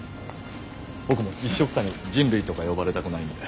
僕もいっしょくたに人類とか呼ばれたくないので。